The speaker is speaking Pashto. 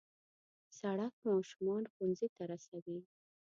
سړک ماشومان ښوونځي ته رسوي.